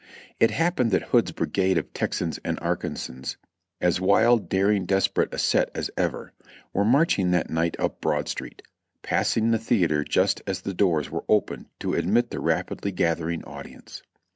It happened that Hood's brigade of Texans and Arkansans, as wild, daring, desperate a set as ever lived, were marching that night up Broad Street, passing the theatre just as the doors were opened to admit the rapidly gathering audience.